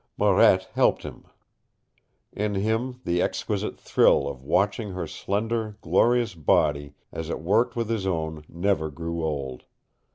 Marette helped him. In him the exquisite thrill of watching her slender, glorious body as it worked with his own never grew old.